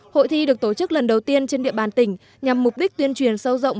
hội thi được tổ chức lần đầu tiên trên địa bàn tỉnh nhằm mục đích tuyên truyền sâu rộng